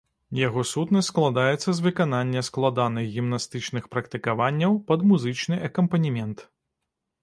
Яго сутнасць складаецца з выканання складаных гімнастычных практыкаванняў пад музычны акампанемент.